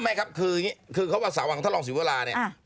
ไม่มีคนว่าสาวงทรงศิวราเนี่ย